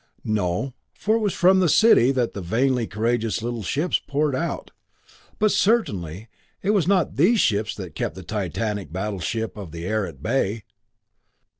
No, for it was from the city that the vainly courageous little ships poured out. But certainly it was not these ships that kept the titanic battleship of the air at bay!